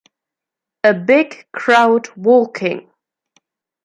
A big crowd walking.